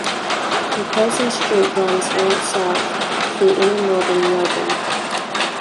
Nicholson Street runs north-south through inner northern Melbourne.